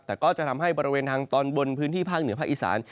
แต่ก็จะทำให้บริเวณทางตอนบนพื้นที่ภาคเหนือภาคอีสาน